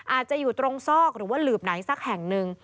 อาจจะอยู่ตรงซอกหรือว่าหลืบไหนสักแห่งหนึ่ง